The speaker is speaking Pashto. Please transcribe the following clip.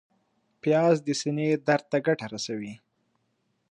پیاز د سینې درد ته ګټه رسوي